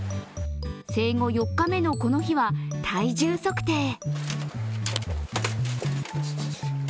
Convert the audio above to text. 生後４日目の、この日は、体重測定。